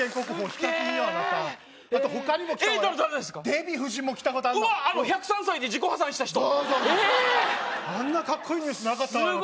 デヴィ夫人も来たことあんのあの１０３歳で自己破産した人そうそうそうそうあんなカッコいいニュースなかったわよ